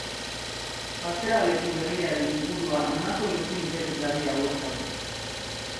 Pasealeku Berriaren inguruan honako leku interesgarri hauek daude.